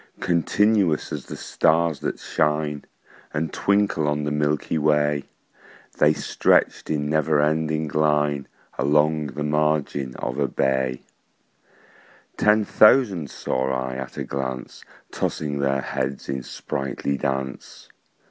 Continuous as the stars that shine And twinkle on the milky way, The stretched in never ending line Along the margin of a bay: Ten thousand saw I at a glance, Tossing their heads in sprightly dance.